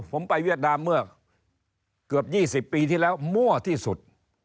ผมไปเวียดนามเมื่อเกือบ๒๐ปีที่แล้วมั่วที่สุด